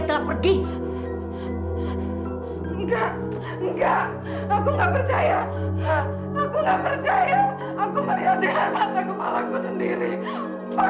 sampai jumpa di video selanjutnya